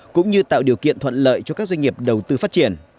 cũng như tạo điều kiện thuận lợi cho các doanh nghiệp đầu tư phát triển